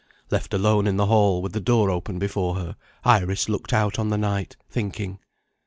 Left alone in the hall, with the door open before her, Iris looked out on the night, thinking.